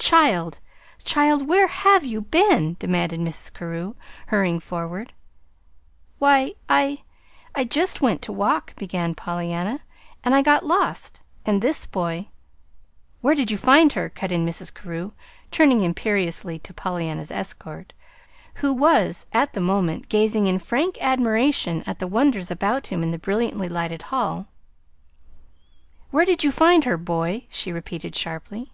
"Child, child, where HAVE you been?" demanded Mrs. Carew, hurrying forward. "Why, I I just went to walk," began Pollyanna, "and I got lost, and this boy " "Where did you find her?" cut in Mrs. Carew, turning imperiously to Pollyanna's escort, who was, at the moment, gazing in frank admiration at the wonders about him in the brilliantly lighted hall. "Where did you find her, boy?" she repeated sharply.